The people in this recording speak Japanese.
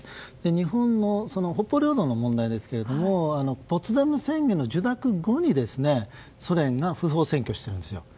日本の北方領土の問題ですけどポツダム宣言の受諾後にソ連が不法占拠しているんですよ。